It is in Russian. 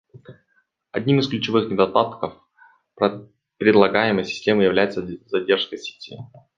Одним из ключевых недостатков предлагаемой системы является задержка сети